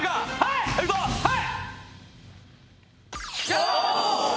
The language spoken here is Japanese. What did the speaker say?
はい！